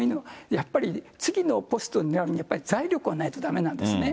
やっぱり次のポストになるには財力がないとだめなんですよね。